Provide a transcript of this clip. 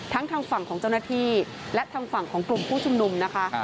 ทั้งทางฝั่งของเจ้าหน้าที่และทางฝั่งของกลุ่มผู้ชุมนุมนะคะ